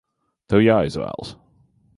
Tev jāizvēlas!